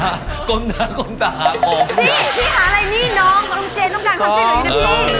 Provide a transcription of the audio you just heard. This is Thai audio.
นี่พี่หาอะไรนี่น้องต้องเจ๋งต้องการความชิดหรืออีกหนึ่ง